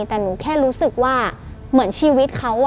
แต่หนูแค่รู้สึกว่าเหมือนชีวิตเขา